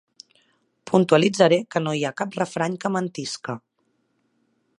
Puntualitze que no hi ha cap refrany que mentisca.